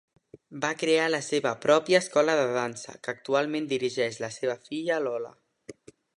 Va crear la seva pròpia escola de dansa, que actualment dirigeix la seva filla Lola.